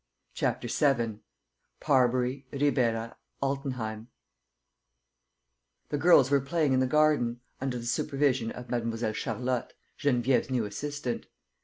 CHAPTER VII PARBURY RIBEIRA ALTENHEIM The girls were playing in the garden, under the supervision of Mlle. Charlotte, Geneviève's new assistant.